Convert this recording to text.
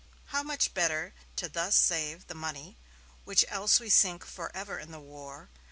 How much better to thus save the money which else we sink forever in the war....